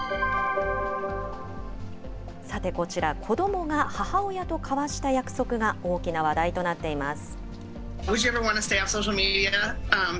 さてこちら、子どもが母親と交わした約束が大きな話題となっています。